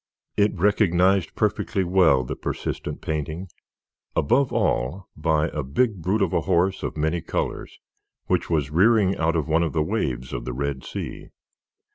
It recognized perfectly well the persistent painting, above all by a big brute of a horse of many colors, which was rearing out of one of the waves of the Red Sea.